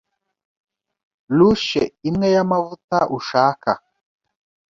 Louche imwe y’amavuta ushaka